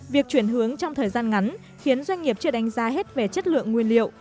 việc chuyển hướng trong thời gian ngắn khiến doanh nghiệp chưa đánh giá hết về chất lượng nguyên liệu